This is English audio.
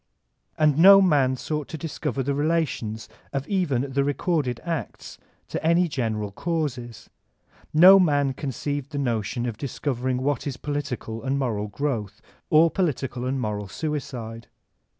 And no man sought to discover the relations of even the recorded acts to any general causes ; no man conceived the notion of dis coveriQg what is political and moral growth or political and moral suicide.